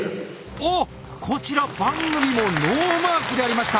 おおこちら番組もノーマークでありました